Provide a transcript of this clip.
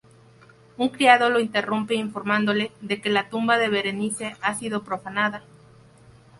Un criado lo interrumpe informándole de que la tumba de Berenice ha sido profanada.